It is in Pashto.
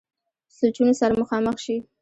سوچونو سره مخامخ شي -